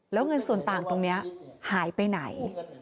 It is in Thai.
แล้วเงินส่วนต่างตรงนี้หายไปไหน